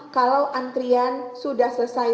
kalau antrian sudah selesai